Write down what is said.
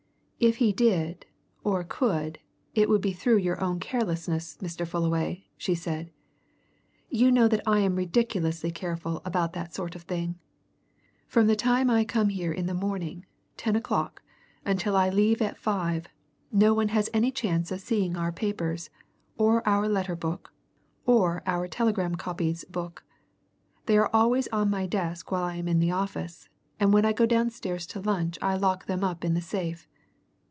"If he did, or could, it would be through your own carelessness, Mr. Fullaway," she said. "You know that I am ridiculously careful about that sort of thing! From the time I come here in the morning ten o'clock until I leave at five, no one has any chance of seeing our papers, or our letter book, or our telegram copies book. They are always on my desk while I am in the office, and when I go downstairs to lunch I lock them up in the safe.